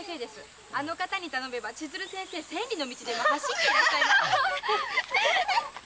あの方に頼めば千鶴先生千里の道でも走って来ます。